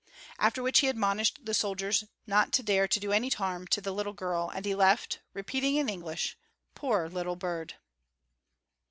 After which he admonished the soldiers not to dare to do any harm to the little girl, and he left, repeating in English: "Poor little bird!"